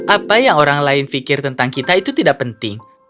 apa yang orang lain pikir tentang kita itu tidak penting